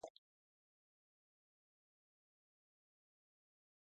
Police regard the guards' actions as justifiable.